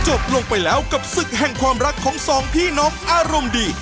จบลงไปแล้วกับศึกแห่งความรักของสองพี่น้องอารมณ์ดี